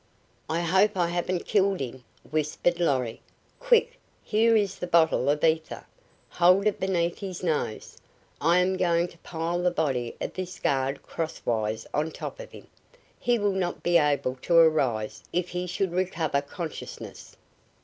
"I hope I haven't killed him," whispered, Lorry. "Quick! Here is his bottle of ether. Hold it beneath his nose. I am going to pile the body of this guard crosswise on top of him. He will not be able to arise if he should recover consciousness."